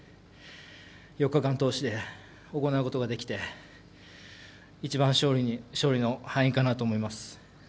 ４日間通して行うことができて一番、勝利の要因かなと思います。